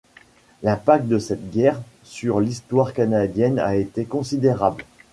L'impact de cette guerre sur l'histoire canadienne a été considérable.